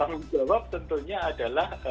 tanggung jawab tentunya adalah